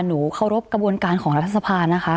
เคารพกระบวนการของรัฐสภานะคะ